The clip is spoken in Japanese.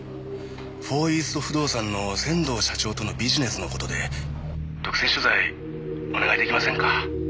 フォーイースト不動産の仙道社長とのビジネスの事で独占取材お願い出来ませんか？